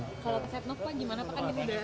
kalau ketetmos pak gimana pak